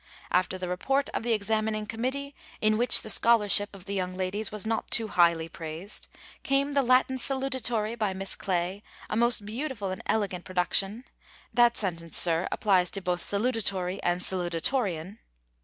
After the report of the Examining Committee, in which the scholarship of the young ladies was not too highly praised, came the Latin Salutatory by Miss Clay, a most beautiful and elegant production (that sentence, sir, applies to both salutatory and salutatorian).